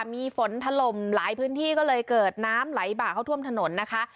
มีฝนถล่มหลายพื้นที่ก็เลยเกิดน้ำไหลบ่าเข้าท่วมถนนนะคะ